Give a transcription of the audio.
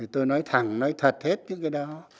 tôi nói thẳng nói thật hết những cái đó